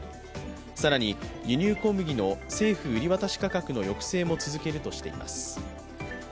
更に、輸入小麦の政府売渡価格の抑制も続けるとしています。